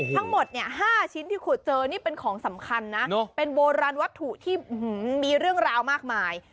ทั้งหมด๕ชิ้นที่ขุดเจอนี่เป็นของสำคัญนะเป็นโบราณวัตถุที่มีเรื่องราวมากมาย